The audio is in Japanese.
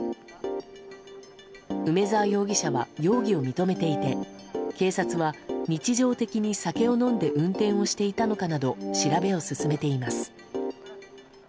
梅沢容疑者は容疑を認めていて警察は、日常的に酒を飲んで運転をしていたのかなど調べを進めています。